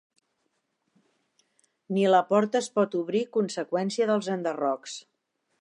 Ni la porta es pot obrir conseqüència dels enderrocs.